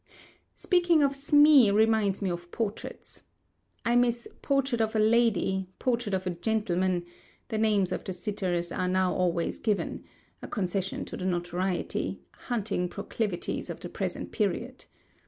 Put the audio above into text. Speaking of Smee reminds me of portraits. I miss "Portrait of a Lady," "Portrait of a Gentleman;" the names of the sitters are now always given—a concession to the notoriety hunting proclivities of the present period.